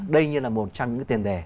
đây như là một trăm linh cái tiền đề